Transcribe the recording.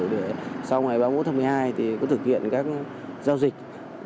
để sau ngày ba mùa tháng một mươi hai thì có thực hiện các giao dịch